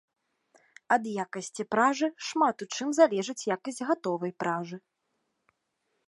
Ад якасці пражы шмат у чым залежыць якасць гатовай пражы.